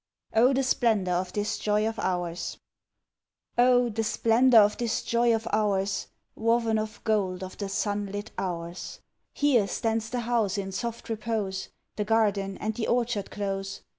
"If It Ever Be" THE SUNLIT HOURS I O the splendour of this joy of ours, Woven of gold of the sun lit hours! Here stands the house in soft repose, The garden and the orchard close.